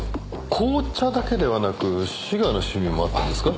紅茶だけではなくシガーの趣味もあったんですか？